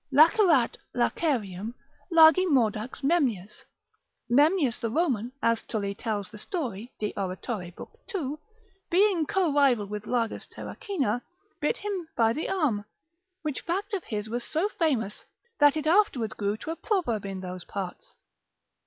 Lacerat lacerium Largi mordax Memnius. Memnius the Roman (as Tully tells the story, de oratore, lib. 2.), being co rival with Largus Terracina, bit him by the arm, which fact of his was so famous, that it afterwards grew to a proverb in those parts.